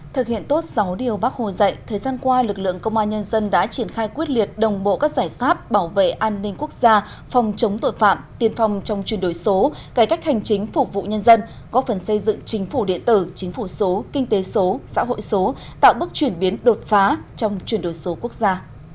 thực hiện tốt sáu điều bác hồ dạy thời gian qua lực lượng công an nhân dân đã triển khai quyết liệt đồng bộ các giải pháp bảo vệ an ninh quốc gia phòng chống tội phạm tiên phòng trong chuyển đổi số cải cách hành chính phục vụ nhân dân có phần xây dựng chính phủ điện tử chính phủ số kinh tế số xã hội số tạo bước chuyển biến đột phá trong chuyển đổi số quốc gia